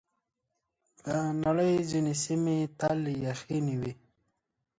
د نړۍ ځینې سیمې تل یخنۍ لري.